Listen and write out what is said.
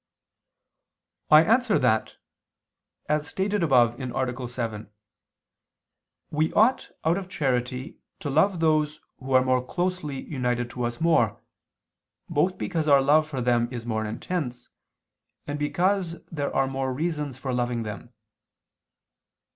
I answer that, As stated above (A. 7), we ought out of charity to love those who are more closely united to us more, both because our love for them is more intense, and because there are more reasons for loving them.